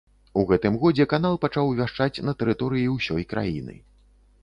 У гэтым годзе канал пачаў вяшчаць на тэрыторыі ўсёй краіны.